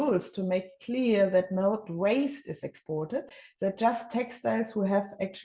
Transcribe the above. oleh itu kami ingin membuat negara yang menguasai seperti eropa seperti as bertanggung jawab untuk memanfaatkan beberapa peraturan